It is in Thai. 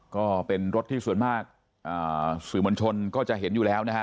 ก็เป็นรถที่ส่วนมากสื่อมวลชนก็จะเห็นอยู่แล้วนะฮะ